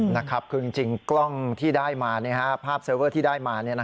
นะครับคือจริงกล้องที่ได้มาภาพเซอร์เวอร์ที่ได้มา